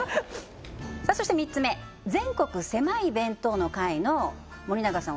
そして３つ目全国狭い弁当の回の森永さん